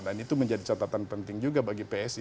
dan itu menjadi catatan penting juga bagi psi